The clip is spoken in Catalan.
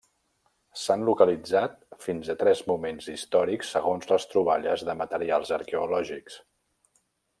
S'han localitzat fins a tres moments històrics segons les troballes de materials arqueològics.